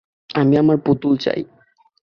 আমি আমার পুতুল চাই।